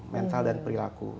mental dan perilaku